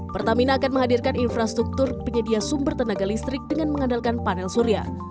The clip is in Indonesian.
pertamina akan menghadirkan infrastruktur penyedia sumber tenaga listrik dengan mengandalkan panel surya